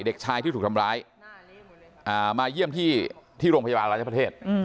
เด็กชายที่ถูกทำร้ายมาเยี่ยมที่โรงพยาบาลราชประเทศ